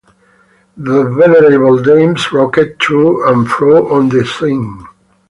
The venerable dames rocked to and fro on the swing.